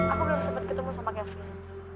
aku belum sempat ketemu sama kevin